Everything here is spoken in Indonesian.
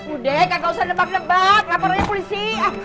udah gak usah nebak nebak laporannya polisi